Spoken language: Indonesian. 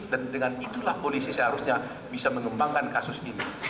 dan dengan itulah polisi seharusnya bisa mengembangkan kasus ini